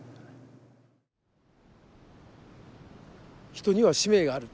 人には使命がある。